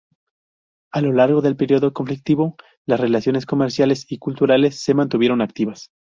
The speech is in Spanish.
A lo largo del período conflictivo, las relaciones comerciales y culturales se mantuvieron activas.